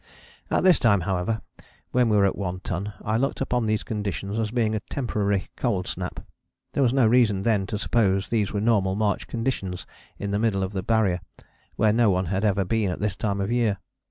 At this time, however, when we were at One Ton I looked upon these conditions as being a temporary cold snap: there was no reason then to suppose these were normal March conditions in the middle of the Barrier, where no one had ever been at this time of year.